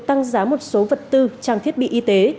tăng giá một số vật tư trang thiết bị y tế